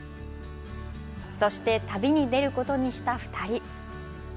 そして旅に出ることにした２人。